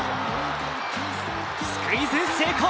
スクイズ成功。